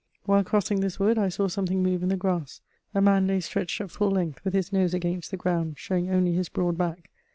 While crossing this wood, I saw something move in the grass: a man lay stretched at full length with his nose against the ground, showing only his broad back.